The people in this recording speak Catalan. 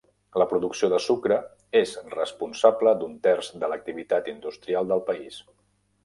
La producció de sucre és responsable d'un terç de l'activitat industrial del país.